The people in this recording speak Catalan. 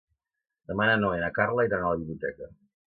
Demà na Noa i na Carla iran a la biblioteca.